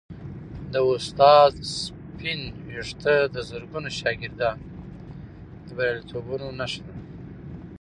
د استاد سپینې ویښتې د زرګونو شاګردانو د بریالیتوبونو نښه ده.